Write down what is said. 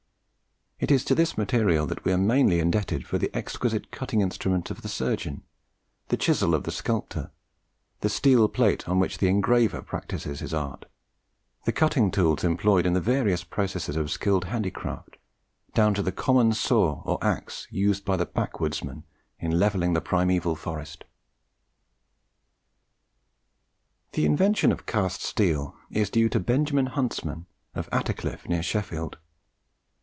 It is to this material that we are mainly indebted for the exquisite cutting instrument of the surgeon, the chisel of the sculptor, the steel plate on which the engraver practises his art, the cutting tools employed in the various processes of skilled handicraft, down to the common saw or the axe used by the backwoodsman in levelling the primeval forest. The invention of cast steel is due to Benjamin Huntsman, of Attercliffe, near Sheffield.